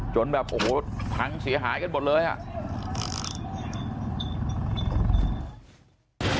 จนแบบโอ้โหพังเสียหายกันหมดเลยอ่ะ